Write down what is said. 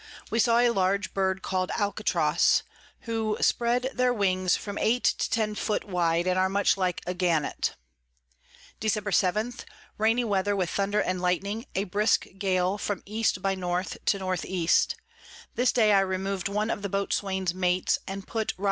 We saw a large Bird call'd Alcatros, who spread their Wings from eight to ten foot wide, and are much like a Gannet. Dec. 7. Rainy Weather, with Thunder and Lightning, a brisk Gale from E by N. to N E. This day I remov'd one of the Boatswain's Mates, and put _Rob.